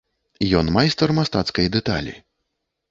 Ён майстар мастацкай дэталі.